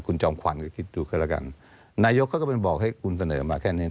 คุณจอมขวัญก็คิดดูก็แล้วกันนายกเขาก็ไปบอกให้คุณเสนอมาแค่นี้